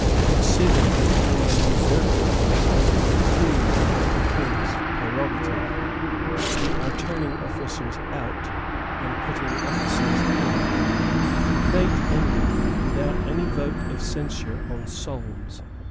Consider that you are usurping what is peculiarly the King's prerogative. You are turning officers out and putting officers in." The debate ended without any vote of censure on Solmes.